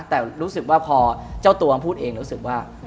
แต่รู้สึกว่าพอเจ้าตัวพูดเองรู้สึกว่า